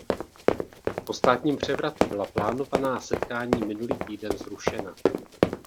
Po státním převratu byla plánovaná setkání minulý týden zrušena.